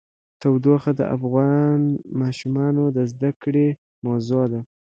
تودوخه د افغان ماشومانو د زده کړې موضوع ده.